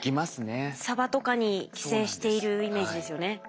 サバとかに寄生しているイメージですよね。